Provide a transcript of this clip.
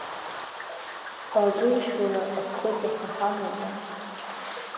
Уаагылишь, уара, аԥхыӡ аха ҳамоума!